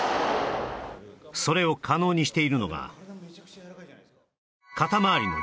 それを可能にしているのがえ？